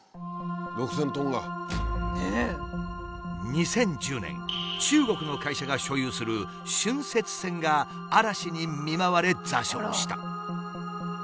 ２０１０年中国の会社が所有する浚渫船が嵐に見舞われ座礁した。